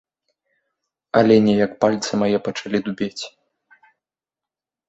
Але неяк пальцы мае пачалі дубець.